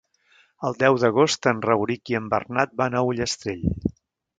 El deu d'agost en Rauric i en Bernat van a Ullastrell.